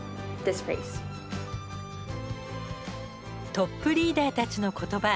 トップリーダーたちの言葉。